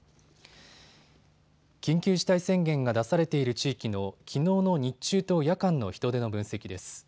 緊急事態宣言が出されている地域のきのうの日中と夜間の人出の分析です。